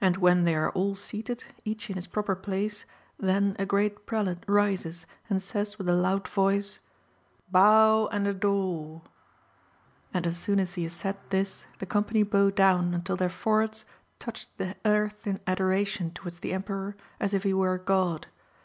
And when they are all seated, each in his proper place, then a great prelate rises and says with a loud voice :" Bow and adore !" And as soon as he has said this, the company bow down until their foreheads touch the earth in adora tion towards the Emperor as if he were a god.